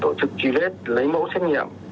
tổ chức truy vết lấy mẫu xét nghiệm